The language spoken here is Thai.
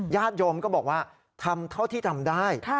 ญาติโยมก็บอกว่าทำเท่าที่ทำได้